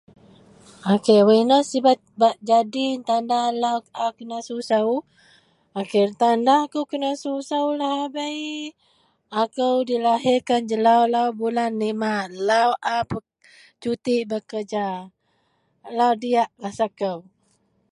Wak eno sebab bak jadi tanda a kenasuso---Tanda akou kenasuso lahabei, akou dilahirkan jelau lau bulan lima, lau a suti bekerja, lau diak rasa kou.